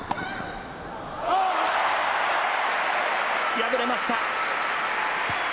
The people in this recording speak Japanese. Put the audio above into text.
敗れました。